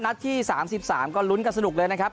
ที่๓๓ก็ลุ้นกันสนุกเลยนะครับ